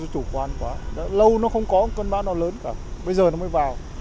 chủ quan quá lâu nó không có cơn bão nào lớn cả bây giờ nó mới vào